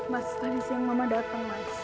mas tadi siang mama datang mas